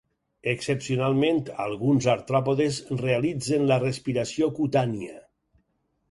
Excepcionalment, alguns artròpodes realitzen la respiració cutània.